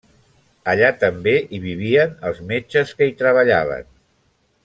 Allà també hi vivien els metges que hi treballaven.